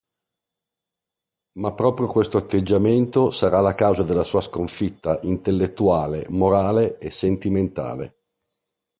Ma proprio questo atteggiamento sarà la causa della sua sconfitta intellettuale, morale e sentimentale.